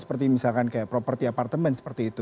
seperti misalkan kayak properti apartemen seperti itu